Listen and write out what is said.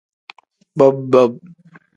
Bob-bob.